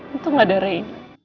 untung gak ada ray